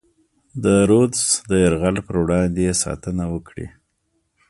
د رودز د یرغل پر وړاندې یې ساتنه وکړي.